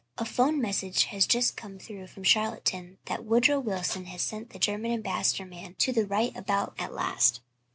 A 'phone message has just come through from Charlottetown that Woodrow Wilson has sent that German ambassador man to the right about at last.